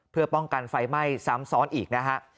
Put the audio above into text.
เพื่อป้องกันไฟไหม้ซ้ำซ้อนอีกนะฮะ